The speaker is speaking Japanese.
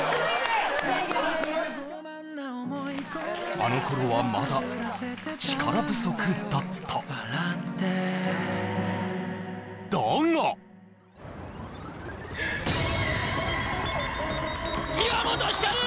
あの頃はまだ力不足だっただが岩本照！